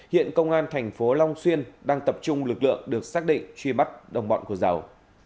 hiện công an thành phố long xuyên đang tập trung lực lượng được xác định truy bắt đồng bọn của giàu